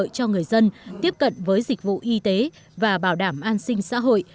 cho người dân tiếp cận với dịch vụ y tế và bảo đảm an sinh xã hội